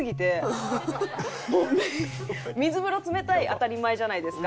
もう水風呂冷たい当たり前じゃないですか。